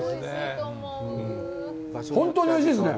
本当においしいですね！